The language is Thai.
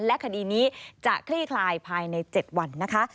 และคดีนี้จะคลี่คลายภายใน๗วันนะคะ